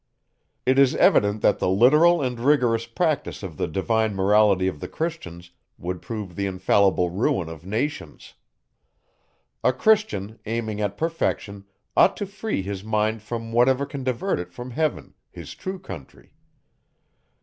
It is evident, that the literal and rigorous practice of the divine Morality of the Christians would prove the infallible ruin of nations. A Christian, aiming at perfection, ought to free his mind from whatever can divert it from heaven, his true country.